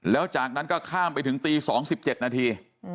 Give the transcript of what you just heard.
แล้วจากนั้นก็ข้ามไปถึงตี๒๗นาที